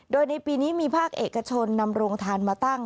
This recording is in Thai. โดยในปีนี้มีภาคเอกชนนำโรงทานมาตั้ง